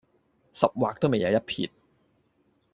十劃未有一撇